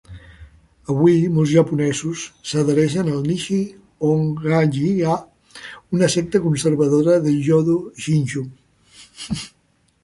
Avui, molts japonesos s'adhereixen al "Nishi Honganji-ha", una secta conservadora de Jodo Shinshu.